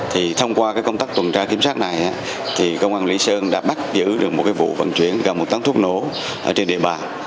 thì thông qua cái công tác tuần tra kiểm soát này thì công an huyện lý sơn đã bắt giữ được một cái vụ vận chuyển gần một tấm thuốc nổ ở trên địa bàn